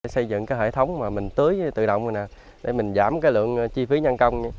xây dựng cái hệ thống mà mình tưới tự động mình nè để mình giảm cái lượng chi phí nhân công